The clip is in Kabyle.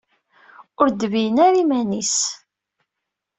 Ur d-tebeyyen ara iman-is.